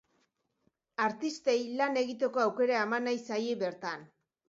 Artistei lan egiteko aukera eman nahi zaie bertan.